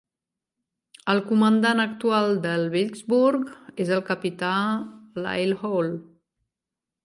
El comandant actual del "Vicksburg" és el capità Lyle Hall.